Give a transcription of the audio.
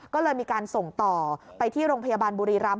ก็เลยมีการส่งต่อไปที่โรงพยาบาลบุรีรำ